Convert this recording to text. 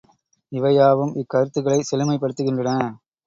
இவை யாவும், இக்கருத்துக்களை செழுமைப்படுத்துகின்றன.